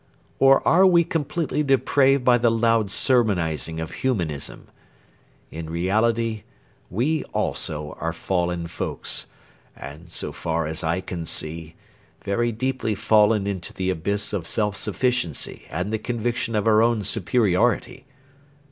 Or are we completely depraved by the loud sermonising of humanism? In reality, we also are fallen folks, and, so far as I can see, very deeply fallen into the abyss of self sufficiency and the conviction of our own superiority.